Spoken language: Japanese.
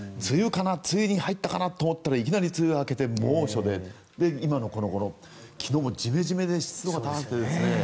梅雨に入ったかなと思ったらいきなり梅雨が明けて猛暑で昨日もジメジメで湿度が高くて。